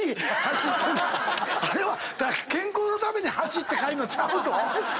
あれは健康のために走って帰んのちゃうぞ。